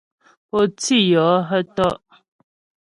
Pǒ tî yɔ́ hə̀ tɔ́' ?